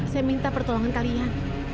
saya minta pertolongan kalian